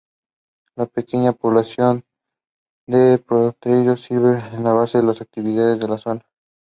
The magazine criticized religion from the point of view of Marxism.